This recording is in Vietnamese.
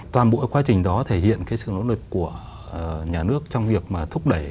toàn bộ quá trình đó thể hiện cái sự nỗ lực của nhà nước trong việc mà thúc đẩy